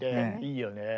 いいよね。